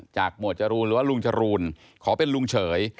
หมวดจรูนหรือว่าลุงจรูนขอเป็นลุงเฉย